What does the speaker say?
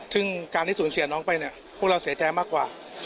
ซึ่งการที่สูญเสียน้องไปเนี่ยพวกเราเสียใจมากกว่า